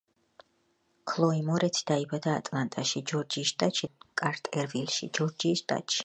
ქლოი მორეცი დაიბადა ატლანტაში, ჯორჯიის შტატში და გაიზარდა კარტერვილში, ჯორჯიის შტატში.